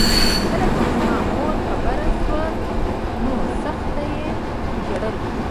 کله چې زما مور خبره شوه نو سخت یې ژړل